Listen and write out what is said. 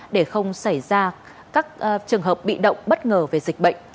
để không xảy ra các trường hợp bị động bất ngờ về dịch bệnh